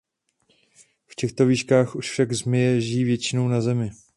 V těchto výškách už však zmije žijí většinou na zemi.